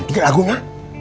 nah lihat lagunya